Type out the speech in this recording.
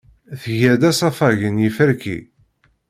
Tga-d asafag n yiferki.